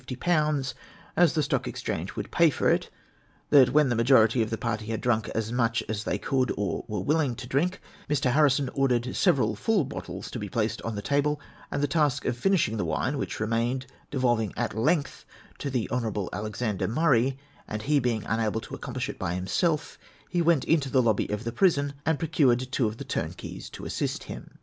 as the Stock Exchange would pay for it: that when the majority of the party had drunk as much as they could or were willing to drink, Mr, Harrison ordered several full bottles to be placed on the table ; and the task of finishing the wine which remained devolving at length on the Honourable Alexander Murray, and he being unable to accomplish it by himself, he went into the lobby of the prison, and prociu'ed two of the turnkeys to assist him.